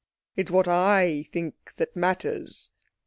It's what I think that matters."